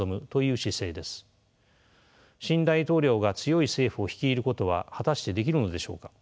新大統領が強い政府を率いることは果たしてできるのでしょうか。